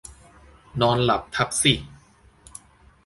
นอนหลับทับสิ